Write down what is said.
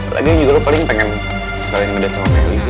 lagian juga lo paling pengen sekalian ngedat sama melih ya